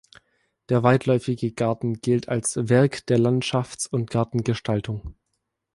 Der weitläufige Garten gilt als "Werk der Landschafts- und Gartengestaltung".